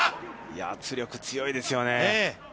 圧力強いですよね。